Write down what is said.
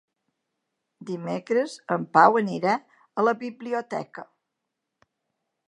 Dimecres en Pau anirà a la biblioteca.